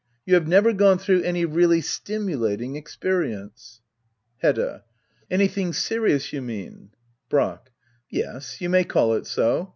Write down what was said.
You have never gone through any really stimu lating experience. Hedda. Anything serious, you mean ? Brack. Yes, you may call it so.